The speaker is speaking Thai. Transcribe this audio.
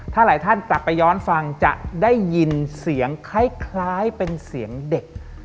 ถ้าหลายท่านกลับไปย้อนฟังจะได้ยินเสียงคล้ายเป็นเสียงเด็ก